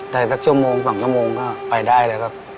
แต่สักชั่วโมง๒ชั่วโมงก็ไปได้เลยครับ